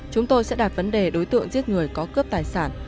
chúng tôi sẽ đặt vấn đề đối tượng giết người có cướp tài sản